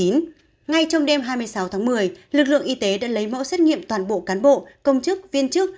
ngay trong đêm hai mươi sáu tháng một mươi lực lượng y tế đã lấy mẫu xét nghiệm toàn bộ cán bộ công chức viên chức